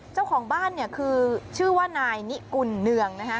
เจ้าของบ้านเนี่ยคือชื่อว่านายนิกุลเนืองนะฮะ